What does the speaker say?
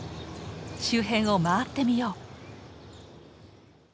周辺を回ってみよう。